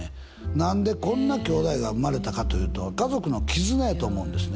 何でこんな兄妹が生まれたかというと家族の絆やと思うんですね